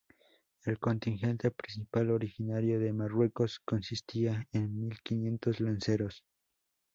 El contingente principal originario de Marruecos consistía en mil quinientos lanceros.